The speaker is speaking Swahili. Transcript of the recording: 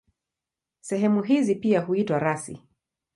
Sehemu hizi pia huitwa rasi.